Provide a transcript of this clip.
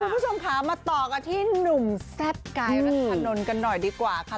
คุณผู้ชมค่ะมาต่อกันที่หนุ่มแซ่บกายรัฐนนท์กันหน่อยดีกว่าค่ะ